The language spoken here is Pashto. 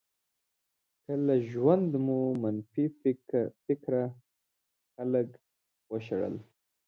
که له ژونده مو منفي فکره خلک وشړل.